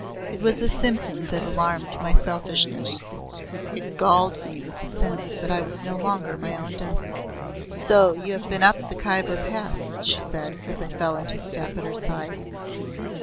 It was a symptom that alarmed my selfishness it galled me with the sense that I was no longer my own despot. "So you have been up the Khyber Pass," she said as I fell into step at her side.